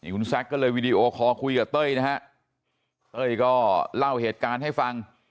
คุณแซคก็เลยวีดีโอคอลคุยกับเต้ยนะฮะเต้ยก็เล่าเหตุการณ์ให้ฟัง